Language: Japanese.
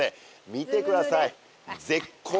見てください！